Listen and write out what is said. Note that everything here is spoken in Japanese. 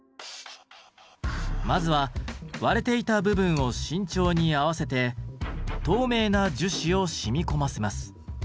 まずは割れていた部分を慎重に合わせて透明な樹脂を染み込ませます。